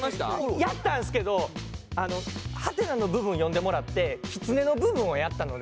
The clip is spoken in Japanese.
やったんですけどハテナの部分読んでもらって狐の部分をやったので。